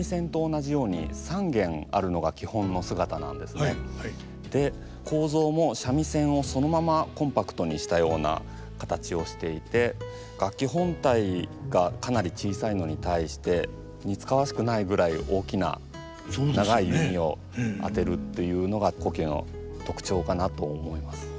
よく間違えられやすいんですが構造も三味線をそのままコンパクトにしたような形をしていて楽器本体がかなり小さいのに対して似つかわしくないぐらい大きな長い弓を当てるというのが胡弓の特徴かなと思います。